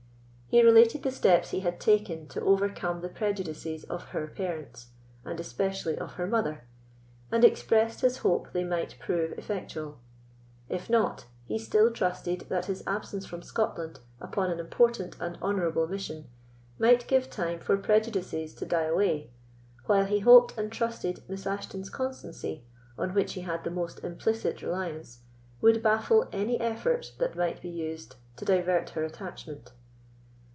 He related the steps he had taken to overcome the prejudices of her parents, and especially of her mother, and expressed his hope they might prove effectual. If not, he still trusted that his absence from Scotland upon an important and honourable mission might give time for prejudices to die away; while he hoped and trusted Miss Ashton's constancy, on which he had the most implicit reliance, would baffle any effort that might be used to divert her attachment.